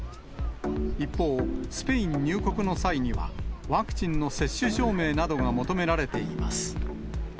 一方、スペイン入国の際には、ワクチンの接種証明などが求められています。